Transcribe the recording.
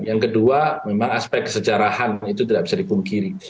yang kedua memang aspek kesejarahan itu tidak bisa dipungkiri